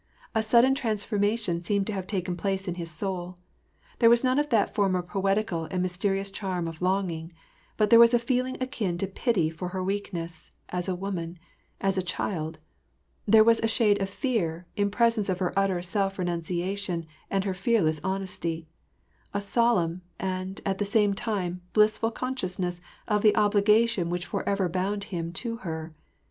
A sudden transformation seemed to have taken place in his soul : there was none of that former poetical and mysterious charm of longing ; but there was a feeling akin to pity for her weak ness, as a woman, as a child : there was a shade of fear, in presence of her utter self renunciation, and her fearless hon esty : a solemn, and, at the same time, blissful consciousness of the obligation which forever bound him to her.